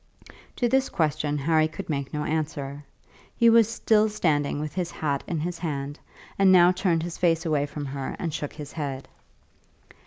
To this question Harry could make no answer. He was still standing with his hat in his hand, and now turned his face away from her and shook his head.